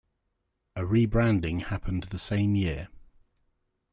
A rebranding happened the same year.